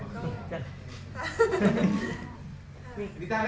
ก็ค่ะ